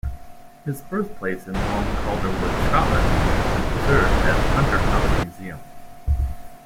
His birthplace in Long Calderwood, Scotland, has been preserved as Hunter House Museum.